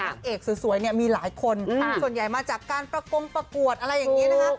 นางเอกสวยเนี่ยมีหลายคนส่วนใหญ่มาจากการประกงประกวดอะไรอย่างนี้นะคะ